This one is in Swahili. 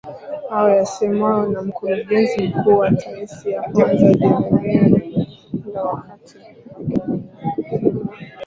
Hayo yamesemwa na Mkurugenzi Mkuu wa Taasisi ya Kwanza Janemary Ruhundwa wakati akizungumza na